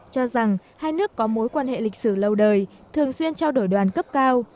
cho rằng hai nước có mối quan hệ lịch sử lâu đời thường xuyên trao đổi đoàn cấp cao